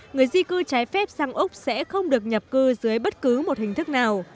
người di cư trái phép sang úc sẽ không được nhập cư dưới bất cứ một hình thức nào